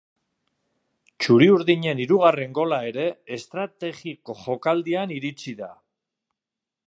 Txuri-urdinen hirugarren gola ere estrategi jokaldian iritsi da.